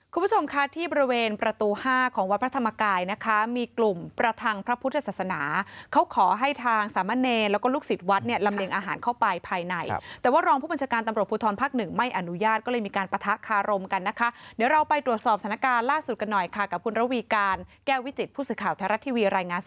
คุณผู้ชมค่ะที่บริเวณประตู๕ของวัดพระธรรมกายนะคะมีกลุ่มประทังพระพุทธศาสนาเขาขอให้ทางสามะเนรแล้วก็ลูกศิษย์วัดเนี่ยลำเลียงอาหารเข้าไปภายในแต่ว่ารองผู้บัญชาการตำรวจภูทรภาคหนึ่งไม่อนุญาตก็เลยมีการปะทะคารมกันนะคะเดี๋ยวเราไปตรวจสอบสถานการณ์ล่าสุดกันหน่อยค่ะกับคุณระวีการแก้ววิจิตผู้สื่อข่าวไทยรัฐทีวีรายงานส